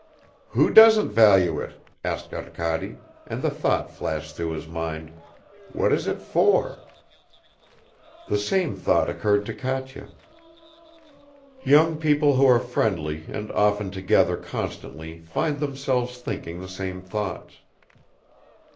"Who doesn't value it?" asked Arkady, and the thought flashed through his mind: "What is it for?" The same thought occurred to Katya. Young people who are friendly and often together constantly find themselves thinking the same thoughts.